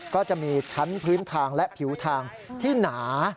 ก็จะมีชั้นพื้นทางและผิวทางที่หนา